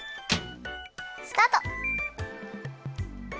スタート。